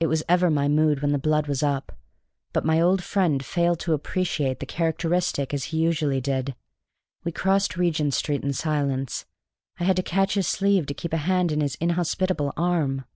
It was ever my mood when the blood was up. But my old friend failed to appreciate the characteristic as he usually did. We crossed Regent Street in silence. I had to catch his sleeve to keep a hand in his inhospitable arm.